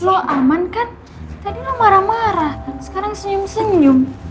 lo aman kan tadi lo marah marah sekarang senyum senyum